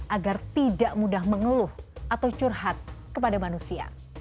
agar tidak mudah mengeluh atau curhat kepada manusia